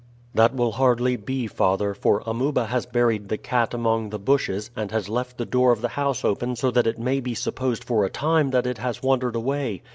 "That will hardly be, father; for Amuba has buried the cat among the bushes, and has left the door of the house open so that it may be supposed for a time that it has wandered away.